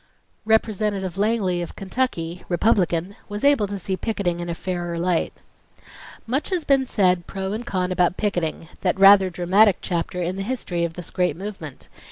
Representative Langley of Kentucky, Republican, was able to see picketing in a fairer light: "Much has been said pro and con about 'picketing', that rather dramatic chapter in the history of this great movement.